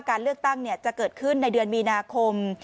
การเลือกตั้งจะเกิดขึ้นในเดือนมีนาคม